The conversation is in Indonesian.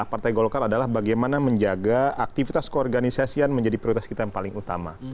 partai golkar adalah bagaimana menjaga aktivitas keorganisasian menjadi prioritas kita yang paling utama